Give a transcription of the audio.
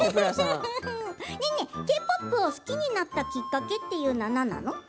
Ｋ−ＰＯＰを好きになったきっかけっていうのは何なの？